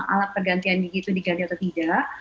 jadi kalau pergantian gigi itu diganti atau tidak